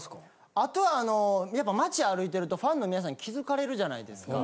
あとはやっぱ街歩いてるとファンの皆さんに気づかれるじゃないですか。